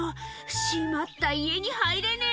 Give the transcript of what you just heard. しまった、家に入れねぇ。